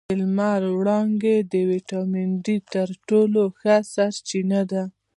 د لمر وړانګې د ویټامین ډي تر ټولو ښه سرچینه ده